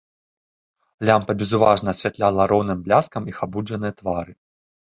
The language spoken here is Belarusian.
Лямпа безуважна асвятляла роўным бляскам іх абуджаныя твары.